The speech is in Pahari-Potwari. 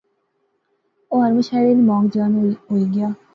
او ہر مشاعرے نی مانگ جان ہوئی گیا